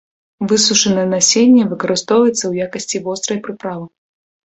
Высушанае насенне выкарыстоўваецца ў якасці вострай прыправы.